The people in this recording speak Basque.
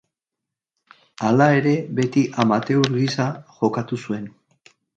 Hala ere beti amateur gisa jokatu zuen.